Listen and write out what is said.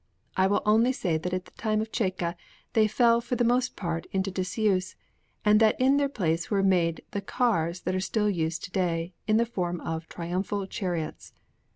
I will only say that at the time of Cecca they fell for the most part into disuse, and that in their place were made the cars that are still used to day, in the form of triumphal chariots.